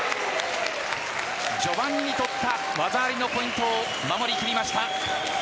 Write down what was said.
序盤に取った技ありのポイントを守り切りました。